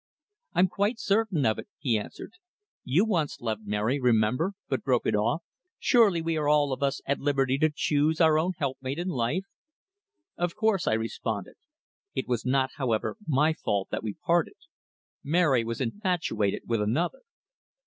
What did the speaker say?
"I'm quite certain of it," he answered. "You once loved Mary, remember, but broke it off. Surely we are all of us at liberty to choose our own helpmate in life?" "Of course," I responded. "It was not, however, my fault that we parted. Mary was infatuated with another."